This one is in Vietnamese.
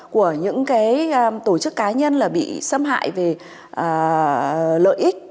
của những cái tổ chức cá nhân là bị xâm hại về lợi ích